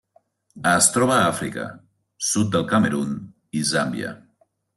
Es troba a Àfrica: sud del Camerun i Zàmbia.